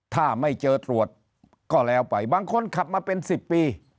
ถ้าไม่เจอตรวจก็แล้วไปบางคนขับมาเป็น๑๐ปี